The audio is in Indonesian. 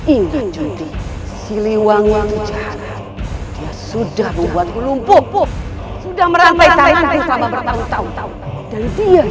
ingin jadi siliwangu jahat sudah membuat lumpuh sudah merampai tangan bertahun tahun